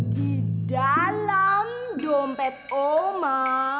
di dalam dompet oma